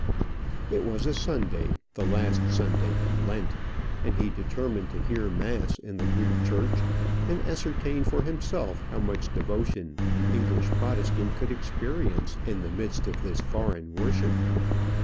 It was a Sunday, the last Sunday in Lent; and he determined to hear mass in the Greek Church, and ascertain for himself how much devotion an English Protestant could experience in the midst of this foreign worship.